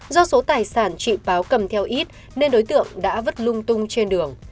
do số tài sản trị páo cầm theo ít nên đối tượng đã vứt lung tung trên đường